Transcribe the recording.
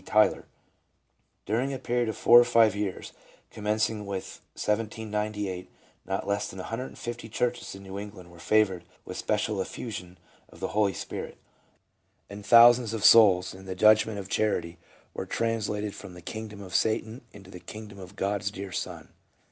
Tyler: "During a period of four or five years, commencing with 1798, not less than 150 churches in New England were favored with special effusion of the Holy Spirit: and thousands of souls, in the judgment of charity, were translated from the kingdom of Satan into the kingdom of* God's dear Son."